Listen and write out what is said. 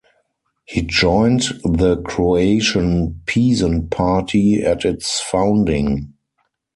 He joined the Croatian Peasant Party at its founding.